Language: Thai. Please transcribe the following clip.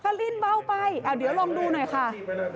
ถ้าลิ้นเบาไปเดี๋ยวลองดูหน่อยค่ะ